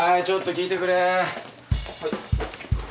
ちょっと聞いてくれ。